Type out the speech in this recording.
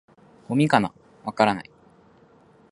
「ゴミかな？」「わからない」